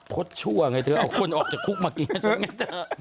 ชั่วไงเธอเอาคนออกจากคุกมากินให้ฉันไงเธอ